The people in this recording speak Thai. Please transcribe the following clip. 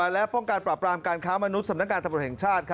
และป้องกันปราบรามการค้ามนุษย์สำนักงานตำรวจแห่งชาติ